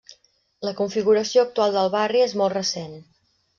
La configuració actual del barri és molt recent.